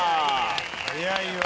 早いわ。